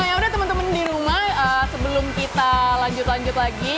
ya udah teman teman di rumah sebelum kita lanjut lanjut lagi